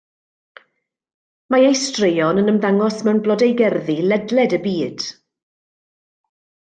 Mae ei straeon yn ymddangos mewn blodeugerddi ledled y byd.